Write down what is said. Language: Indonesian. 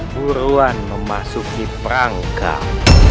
buruan memasuki perangkap